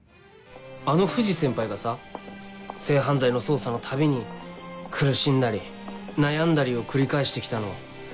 あの藤先輩がさ性犯罪の捜査のたびに苦しんだり悩んだりを繰り返して来たのを。